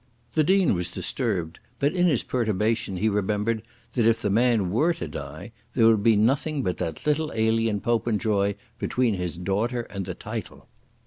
The Dean was disturbed, but in his perturbation he remembered that if the man were to die there would be nothing but that little alien Popenjoy between his daughter and the title.